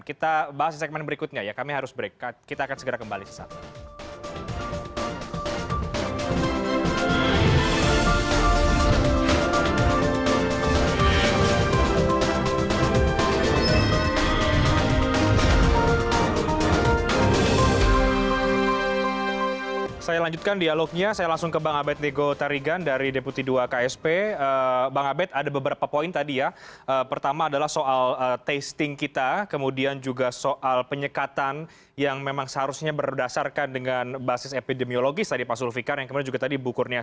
kita bahas di segmen berikutnya ya kami harus break kita akan segera kembali sesaat ini